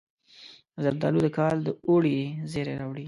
زردالو د کال د اوړي زیری راوړي.